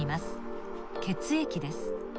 血液です。